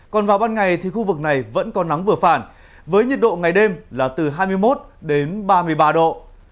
còn vào ban ngày thì khu vực này vẫn có nắng vừa phải với nhiệt độ ngày đêm là từ hai mươi một đến ba mươi ba độ